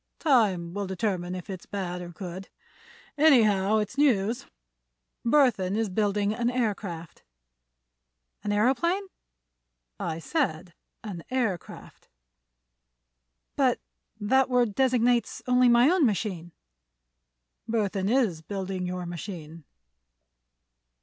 "Time will determine if it's bad or good. Anyhow, it's news. Burthon is building an aircraft." "An aëroplane?" "I said an aircraft." "But that word designates only my own machine." "Burthon is building your machine."